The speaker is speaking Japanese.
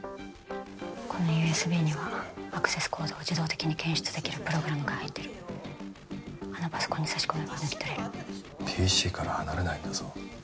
このＵＳＢにはアクセスコードを自動的に検出できるプログラムが入ってるあのパソコンに差し込めば抜き取れるＰＣから離れないんだぞ